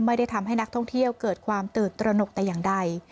ไม่ได้ทำให้นักท่องเที่ยวเกิดความตื่นตระหนกแต่อย่างใด